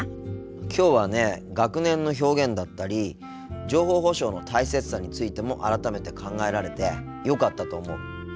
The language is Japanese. きょうはね学年の表現だったり情報保障の大切さについても改めて考えられてよかったと思う。